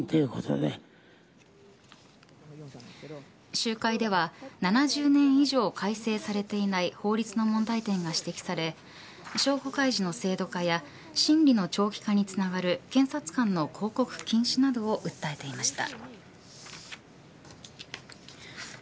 集会では７０年以上改正されていない法律の問題点が指摘され証拠開示の制度化や審理の長期化にともなう検察官の抗告禁止などを訴えていました。